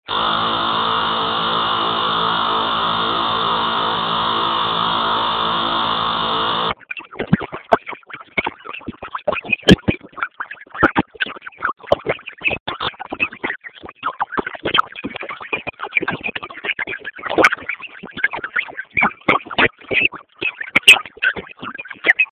ناټو ته ووایاست چې څنګه ياست؟